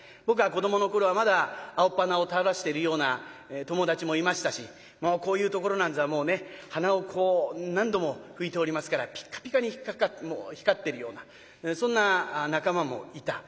僕が子どもの頃はまだ青っぱなを垂らしているような友達もいましたしこういうところなんざはもうねはなをこう何度も拭いておりますからピカピカに光ってるようなそんな仲間もいた。